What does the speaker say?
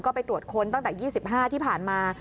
ก็ไปตรวจค้นตั้งแต่๒๕ที่ผ่านมา